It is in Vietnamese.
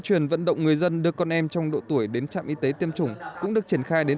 truyền vận động người dân đưa con em trong độ tuổi đến trạm y tế tiêm chủng cũng được triển khai đến